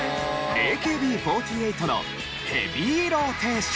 ＡＫＢ４８の『ヘビーローテーション』。